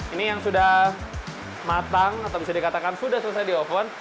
ini yang sudah matang atau bisa dikatakan sudah selesai di oven